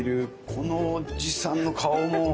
このおじさんの顔も。